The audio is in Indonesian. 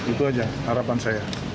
itu saja harapan saya